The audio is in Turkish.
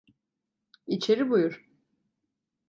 İçeri buyur.